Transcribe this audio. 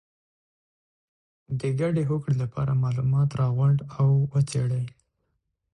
د ګډې هوکړې لپاره معلومات راغونډ او وڅېړئ.